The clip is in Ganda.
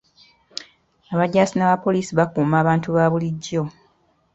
Abajaasi n'aba poliisi bakuuma abantu ba bulijjo.